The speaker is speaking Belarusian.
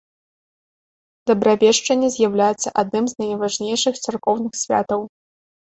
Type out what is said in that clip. Дабравешчанне з'яўляецца адным з найважнейшых царкоўных святаў.